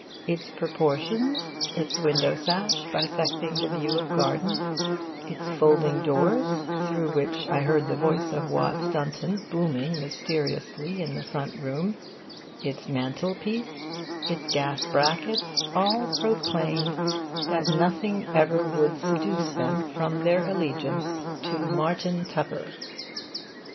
Its proportions, its window sash bisecting the view of garden, its folding doors (through which I heard the voice of Watts Dunton booming mysteriously in the front room), its mantel piece, its gas brackets, all proclaimed that nothing ever would seduce them from their allegiance to Martin Tupper.